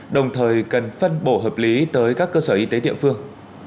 đồng thời cần phân bổ hợp lý tới các cơ sở y tế địa phương